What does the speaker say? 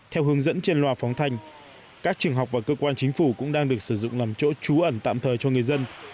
theo hướng dẫn trên loa phóng thanh các trường học và cơ quan chính phủ cũng đang được sử dụng làm chỗ trú ẩn tạm thời cho người dân